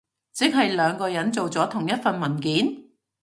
即係兩個人做咗同一份文件？